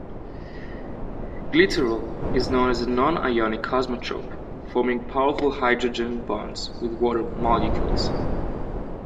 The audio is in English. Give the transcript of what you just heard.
Glycerol is known as a non-ionic kosmotrope forming powerful hydrogen bonds with water molecules.